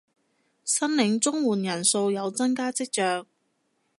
申領綜援人數有增加跡象